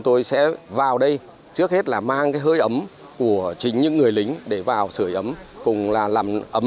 tôi sẽ vào đây trước hết là mang cái hơi ấm của chính những người lính để vào sửa ấm cùng là làm ấm